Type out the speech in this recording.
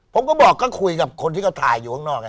ผมก็บอกก็คุยกับคนที่เขาถ่ายอยู่ข้างนอก